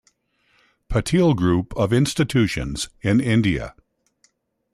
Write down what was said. Patil Group of Institutions in India.